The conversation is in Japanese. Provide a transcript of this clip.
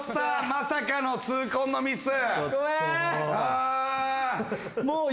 まさかの痛恨のミス。ごめん。